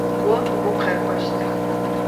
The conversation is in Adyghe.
Vo vukhek'oşt.